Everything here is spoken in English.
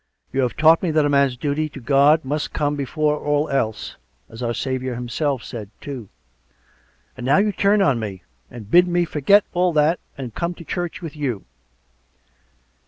You have taught me that a man's duty to God must come before all else — as our Saviour Himself said, too. And now you turn on me, and bid me forget all that, and come to church with you.